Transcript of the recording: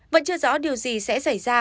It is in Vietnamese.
vẫn chưa rõ điều gì sẽ xảy ra